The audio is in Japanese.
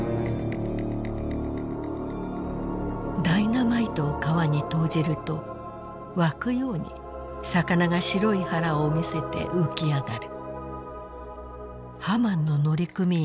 「ダイナマイトを川に投じると涌くように魚が白い腹をみせて浮きあがる」。